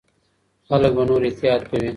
خلک به نور احتیاط کوي.